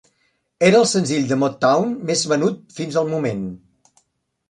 Era el senzill de Motown més venut fins el moment.